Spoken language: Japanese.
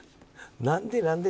何？